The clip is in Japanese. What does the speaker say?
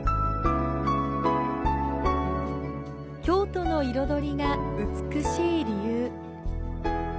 京都の彩りが美しい理由。